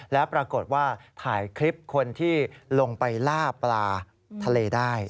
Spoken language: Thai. แล้วปรากฏว่าถ่ายคลิปคนที่ลงไปล่าปลาทะเลได้